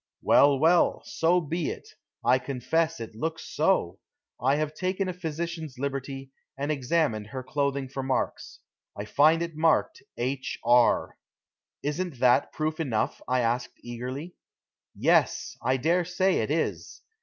"Well, well. So be it. I confess it looks so. I have taken a physician's liberty, and examined her clothing for marks. I find it marked 'H. R.'" "Isn't that proof enough?" I asked eagerly. "Yes. I dare say it is.